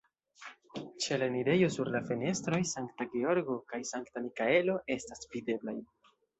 Ĉe la enirejo sur la fenestroj Sankta Georgo kaj Sankta Mikaelo estas videblaj.